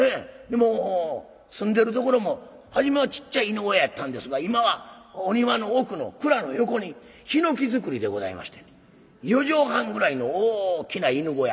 もう住んでるところも初めはちっちゃい犬小屋やったんですが今はお庭の奥の蔵の横にひのき造りでございまして４畳半ぐらいの大きな犬小屋。